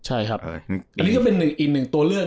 อันนี้ก็เป็นอีกหนึ่งตัวเลือก